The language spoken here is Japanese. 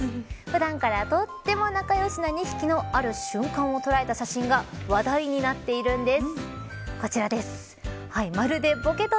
普段からとっても仲良しな２匹のある瞬間を捉えた写真が話題になっているんです。